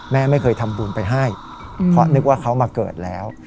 แม่ไม่เคยทำบุญไปให้เพราะนึกว่าเขามาเกิดแล้ว